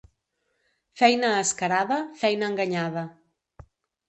Feina a escarada, feina enganyada.